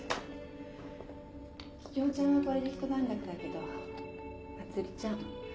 桔梗ちゃんはこれで一段落だけど茉莉ちゃん